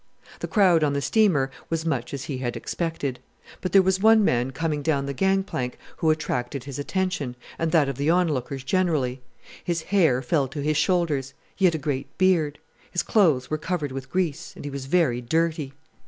The crowd on the steamer was much as he had expected; but there was one man coming down the gang plank who attracted his attention, and that of the onlookers generally; his hair fell to his shoulders; he had a great beard; his clothes were covered with grease, and he was very dirty.